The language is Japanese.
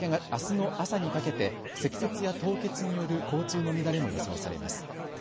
あすの朝にかけて積雪や凍結による交通の乱れも予想されます。